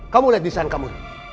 kamu lihat desain kamu